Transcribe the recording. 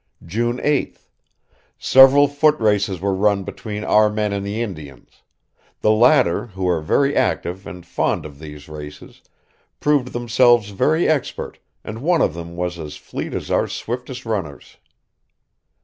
"June 8th.... Several foot races were run between our men and the Indians; the latter, who are very active and fond of these races, proved themselves very expert, and one of them was as fleet as our swiftest runners.